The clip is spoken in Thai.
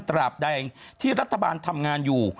ตราบใดที่รัฐบาลทำงานอยู่